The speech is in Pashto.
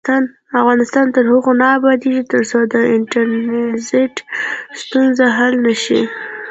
افغانستان تر هغو نه ابادیږي، ترڅو د ټرانزیت ستونزې حل نشي.